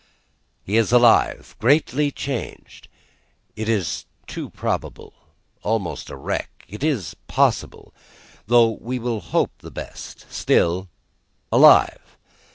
He is alive. Greatly changed, it is too probable; almost a wreck, it is possible; though we will hope the best. Still, alive.